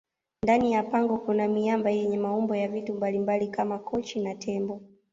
ndani ya pango Kuna miamba yenye maumbo ya vitu mbalimbali Kama kochi na tembo